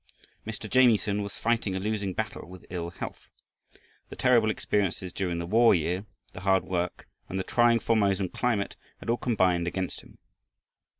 Mr. Jamieson was fighting a losing battle with ill health. The terrible experiences during the war year, the hard work, and the trying Formosan climate had all combined against him.